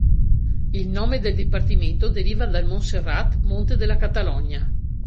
Il nome del dipartimento deriva dal Montserrat, monte della Catalogna.